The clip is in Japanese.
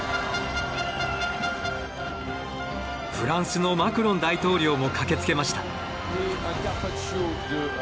フランスのマクロン大統領も駆けつけました。